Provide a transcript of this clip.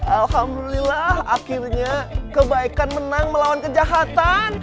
alhamdulillah akhirnya kebaikan menang melawan kejahatan